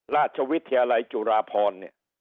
ราชวิทยาลัยจุรพร